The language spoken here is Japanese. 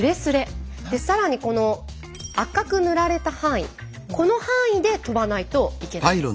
で更にこの赤く塗られた範囲この範囲で飛ばないといけないんです。